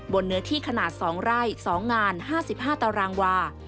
เนื้อที่ขนาด๒ไร่๒งาน๕๕ตารางวา